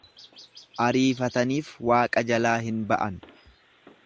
Ariifataniif Waaqa jalaa hin ba'an.